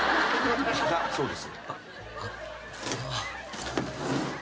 だそうです。